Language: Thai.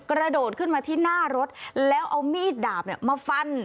กระโดดขึ้นมาที่หน้ารถแล้วเอามีดดาบมาฟัน